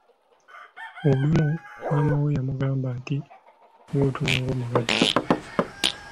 Olumu maama we yamugamba nti "ng’otunula ng’omulwadde?".